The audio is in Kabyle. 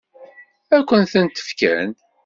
Ad kent-tent-fken?